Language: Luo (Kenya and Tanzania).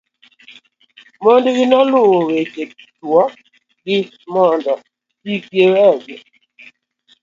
mondegi noluwo weche chuo gi mondo kik we gi